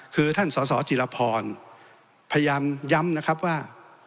คือท่านสสจิรพรพยายามย้ำนะครับว่า